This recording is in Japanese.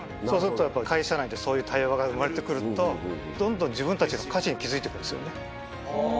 そうするとやっぱ会社内でそういう対話が生まれて来るとどんどん自分たちの価値に気付いて来るんですよね。